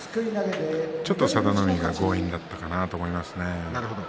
ちょっと佐田の海が強引だったかなと思いますね。